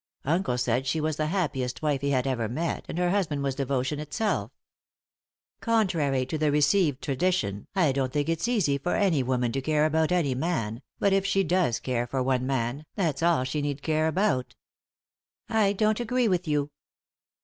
Uncle said she was the happiest wife he had ever met, and her husband was devotion itself. Contrary to the received tradition, I don't think it's easy for any woman to care about any man, but if she does care for one man, that's all she need care about" "I don't agree with you."